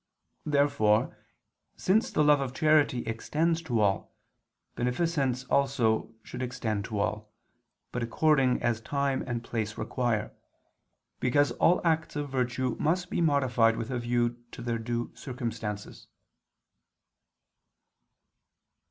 Therefore, since the love of charity extends to all, beneficence also should extend to all, but according as time and place require: because all acts of virtue must be modified with a view to their due circumstances.